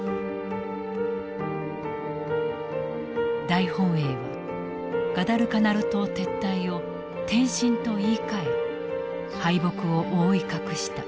大本営はガダルカナル島撤退を転進と言いかえ敗北を覆い隠した。